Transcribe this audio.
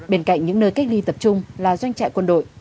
bên cạnh những nơi cách ly tập trung là doanh trại quân đội